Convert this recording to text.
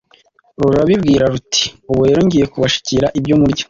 rurabibwira ruti « ubu rero, ngiye kubashakira ibyo murya